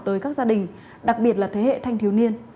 tới các gia đình đặc biệt là thế hệ thanh thiếu niên